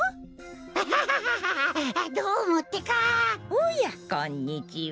おやこんにちは。